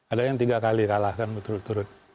ada yang tiga kali kalah kan turut turut